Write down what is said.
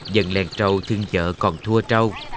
dần lèn trâu thương vợ còn thua trâu